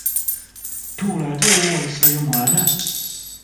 Tuula ate ewuwo waleseeyo mwana?